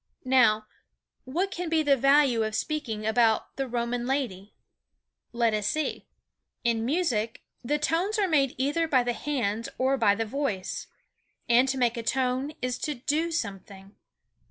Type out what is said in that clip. Now, what can be the value of speaking about the Roman lady? Let us see. In music, the tones are made either by the hands or by the voice. And to make a tone is to do something.